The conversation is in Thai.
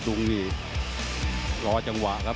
กับผู้ทำหน้าที่บนเวทีนะครับร้อยเอกสมบูรณ์ปรับภาวงครับ